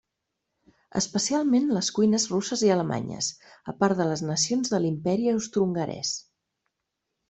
Especialment les cuines russes i alemanyes, a part de les nacions de l'imperi austrohongarès.